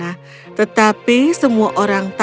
daisy telah bertingkah manis dengan semua orang di istana